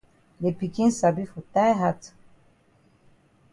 De pikin sabi for tie hat.